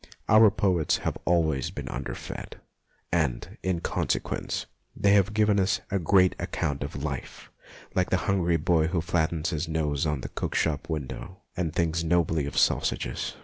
Our poets have always been underfed, and, in consequence, they have given us a great account of life, like, the hungry boy who flattens his nose on the cook shop window and thinks nobly of sausages.